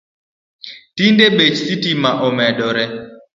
Tinde bech sitima omedore